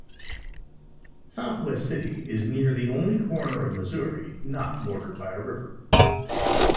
Southwest City is near the only corner of Missouri not bordered by a river.